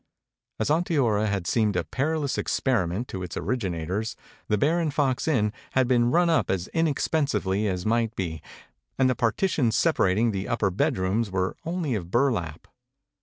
As Onteora had seemed a perilous experiment to its originators the Bear and Fox Inn had been run up as inexpensively as might be; and the partitions separating the upper bed rooms were only of burlap.